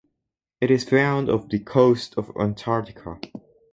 It is found off the coast of Antarctica.